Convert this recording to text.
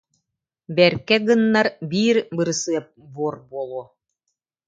Бэркэ гыннар, биир бырысыап буор буолуо